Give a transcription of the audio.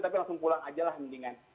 tapi langsung pulang aja lah mendingan